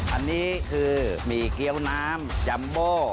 อันนี้คือหมี่เกี้ยวน้ำจัมโบ